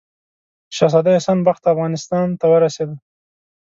شهزاده احسان بخت افغانستان ته ورسېدی.